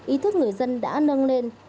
ý thức người dân đã nâng lên